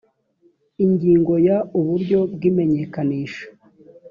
ingingo ya uburyo bw imenyekanisha